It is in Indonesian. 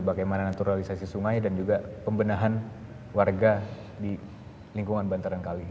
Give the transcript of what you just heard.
bagaimana naturalisasi sungai dan juga pembenahan warga di lingkungan bantaran kali